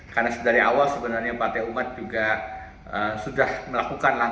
karena dari awal sebenarnya partai umat juga sudah melakukan